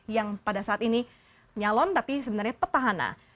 yang pada saat ini nyalon tapi sebenarnya petahana